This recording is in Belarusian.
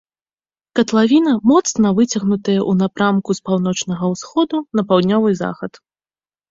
Катлавіна моцна выцягнутая ў напрамку з паўночнага ўсходу на паўднёвы захад.